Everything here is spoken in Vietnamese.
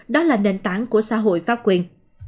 đó là nền tảng của xã hội pháp quyền